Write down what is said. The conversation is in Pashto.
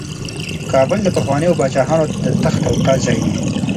کابل د پخوانیو پاچاهانو د تخت او تاج ځای و.